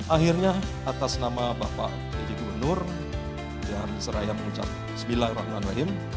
akhirnya atas nama bapak dedy gubernur yang diserahkan mengucap bismillahirrahmanirrahim